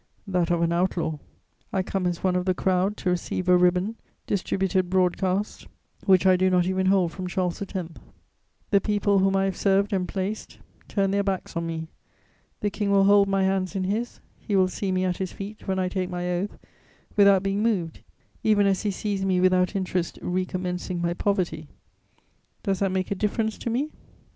That of an outlaw. I come as one of the crowd to receive a ribbon, distributed broadcast, which I do not even hold from Charles X. The people whom I have served and placed turn their backs on me. The King will hold my hands in his, he will see me at his feet, when I take my oath, without being moved, even as he sees me without interest recommencing my poverty. Does that make a difference to me?